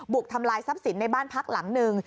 ทำลายทรัพย์สินในบ้านพักหลังหนึ่ง